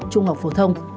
trung học phổ thông